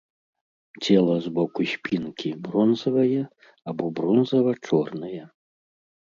Цела з боку спінкі бронзавае або бронзава-чорнае.